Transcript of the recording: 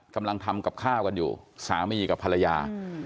กำลังทำกับข้าวกันอยู่สามีกับภรรยา